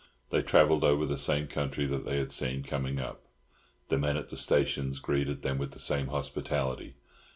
They travelled over the same country that they had seen coming up; the men at the stations greeted them with the same hospitality.